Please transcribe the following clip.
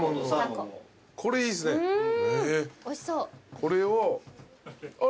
これを。